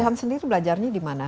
di kian sendiri belajarnya dimana